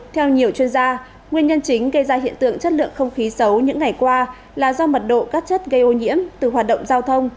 theo nhiều chuyên gia nguyên nhân chính gây ra hiện tượng chất lượng không khí xấu những ngày qua là do mật độ các chất gây ô nhiễm từ hoạt động giao thông